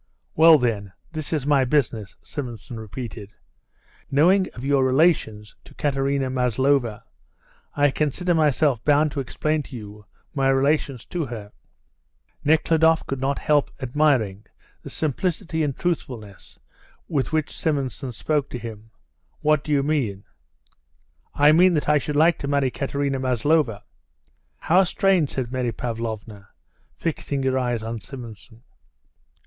"Well, then, this is my business," Simonson repeated. "Knowing of your relations to Katerina Maslova, I consider myself bound to explain to you my relations to her." Nekhludoff could not help admiring the simplicity and truthfulness with which Simonson spoke to him. "What do you mean?" "I mean that I should like to marry Katerina Maslova " "How strange!" said Mary Pavlovna, fixing her eyes on Simonson.